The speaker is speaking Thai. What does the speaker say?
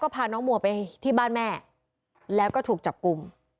พาน้องมัวไปที่บ้านแม่แล้วก็ถูกจับกลุ่ม